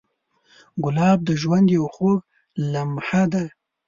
ګلاب د ژوند یو خوږ لمحه ده.